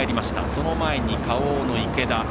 その前にＫａｏの池田。